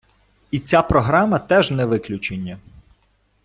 І ця програма теж не виключення.